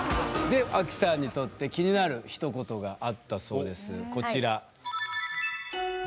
でアキさんにとって気になるひと言があったそうですこちら。